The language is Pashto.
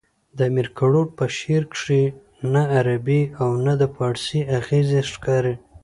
د امیر کروړ په شعر کښي نه عربي او نه د پاړسي اغېزې ښکاري.